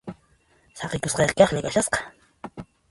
Saqikusqayqa kaqlla kashasqa.